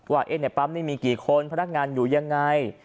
ว่าในปั๊มนี้มีกี่คนพนักงานอยู่ยังไง